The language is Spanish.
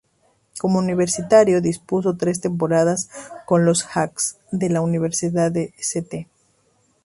Como universitario, disputó tres temporadas con los "Hawks" de la Universidad de St.